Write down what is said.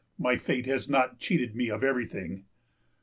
My fate has not cheated me of everything.